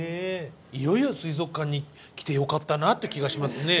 いよいよ水族館に来てよかったなっていう気がしますね。